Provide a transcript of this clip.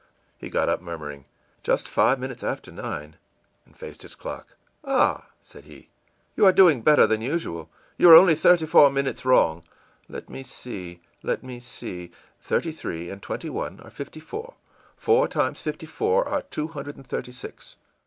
î He got up, murmuring, ìJust five minutes after nine,î and faced his clock. ìAh,î said he, ìyou are doing better than usual. You are only thirty four minutes wrong. Let me see... let me see.... Thirty three and twenty one are fifty four; four times fifty four are two hundred and thirty six.